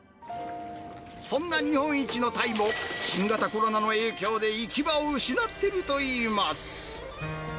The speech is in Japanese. そんな日本一のタイも、新型コロナの影響で行き場を失っているといいます。